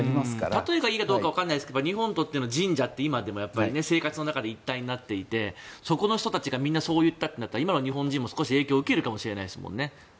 例えがいいかどうかわかりませんけれど日本で言う神社って生活の中で一体になっていてそこの人たちがみんなそう言ったって言ったら今の日本人も、影響を受けるかもしれないですもんね。